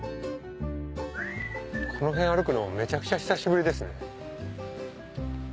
この辺歩くのめちゃくちゃ久しぶりですね。